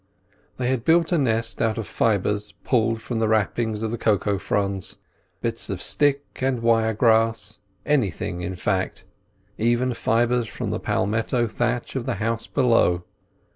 They had built a nest out of fibres pulled from the wrappings of the cocoa nut fronds, bits of stick and wire grass—anything, in fact; even fibres from the palmetto thatch of the house below.